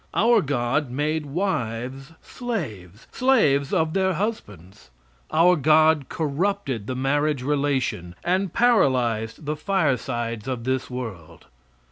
Our God made wives slaves slaves of their husbands. Our God corrupted the marriage relation and paralyzed the firesides of this world.